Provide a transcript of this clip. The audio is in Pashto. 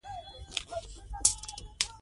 دوی د ګډو فعالیتونو په تنظیم کې فعاله ونډه اخلي.